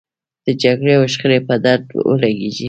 د جګړې او شخړې په درد ولګېږي.